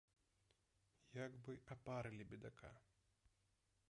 Як бы апарылі бедака.